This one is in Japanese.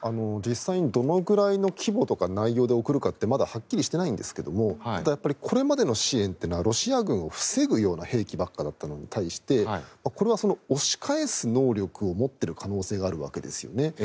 実際にどのくらいの規模とか内容で送るかはまだはっきりしていないんですがただ、これまでの支援はロシア軍を防ぐような兵器ばかりだったのに対してこれは押し返す能力を持っている可能性があるわけですよね。